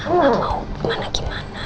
anak mau kemana gimana